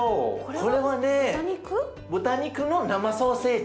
これはね豚肉の生ソーセージ。